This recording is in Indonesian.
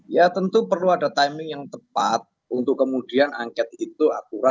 ya tentu perlu ada timing yang tepat untuk kemudian angket itu akurat